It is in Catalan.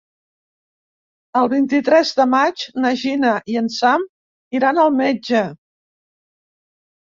El vint-i-tres de maig na Gina i en Sam iran al metge.